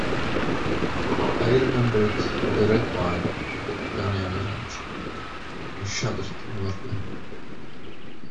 I remembered the red wine of the Italian rancho, and shuddered inwardly.